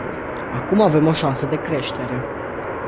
Acum avem o șansă de creștere.